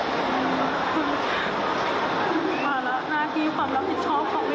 หนูไม่รู้ว่าทางนู้นจะได้ครับ